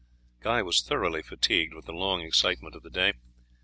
Guy was thoroughly fatigued with the long excitement of the day.